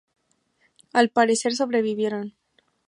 Al parecer, sobrevivieron.